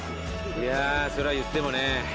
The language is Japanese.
いやそれはいってもねえ